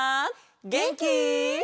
げんき？